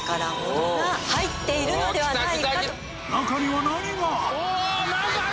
中には何が？